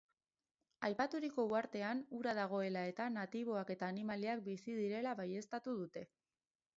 Aipaturiko uhartean ura dagoela eta natiboak eta animaliak bizi direla baieztatu dute.